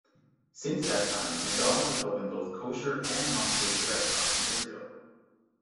Since that time, McDonald's has opened both kosher and non-kosher restaurants in Israel.